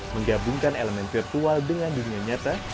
menggabungkan elemen virtual dengan dunia nyata